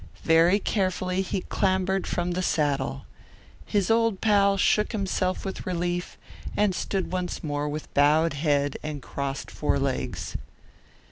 Very carefully he clambered from the saddle. His old pal shook himself with relief and stood once more with bowed head and crossed forelegs.